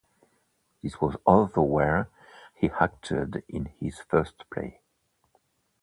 This was also where he acted in his first play.